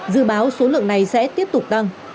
dự báo số lượng này sẽ tiếp tục tăng